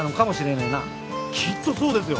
きっとそうですよ！